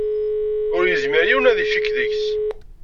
Ur yezmir yiwen ad icikk deg-s.